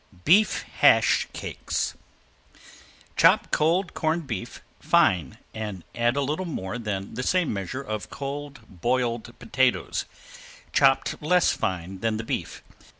~BEEF HASH CAKES~ Chop cold corned beef fine and add a little more than the same measure of cold boiled potatoes, chopped less fine than the beef.